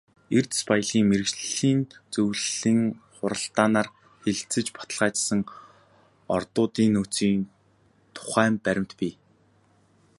Эрдэс баялгийн мэргэжлийн зөвлөлийн хуралдаанаар хэлэлцэж баталгаажсан ордуудын нөөцийн тухай баримт бий.